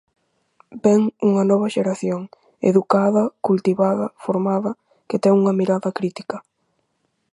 Vén unha nova xeración, educada, cultivada, formada, que ten unha mirada crítica.